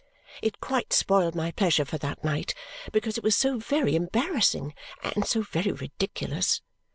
It quite spoiled my pleasure for that night because it was so very embarrassing and so very ridiculous.